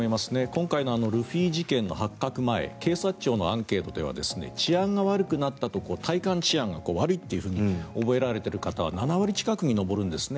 今回ルフィ事件の発覚前警察庁のアンケートでは治安が悪くなったところ体感治安が悪いと覚えられている方は７割近くに上るんですね。